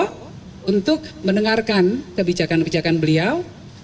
mas bowo untuk mendengarkan kebijakan kebijakan beliau